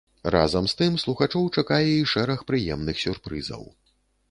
Разам з тым слухачоў чакае і шэраг прыемных сюрпрызаў.